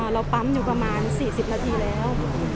เราปั๊มอยู่ประมาณ๔๐นาทีแล้ว